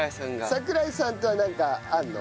櫻井さんとはなんかあるの？